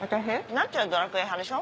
なっちはドラクエ派でしょ？